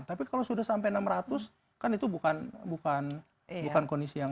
tapi kalau sudah sampai enam ratus kan itu bukan kondisi yang